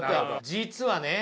実はね